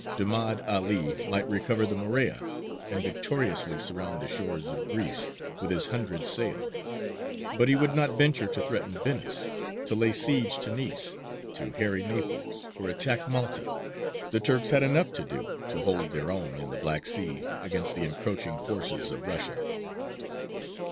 Damad 'Ali might recover the Morea, and victoriously surround the shores of Greece with his hundred sail; but he would not venture to threaten Venice, to lay siege to Nice, to harry Naples, or attack Malta. The Turks had enough to do to hold their own in the Black Sea against the encroaching forces of Russia.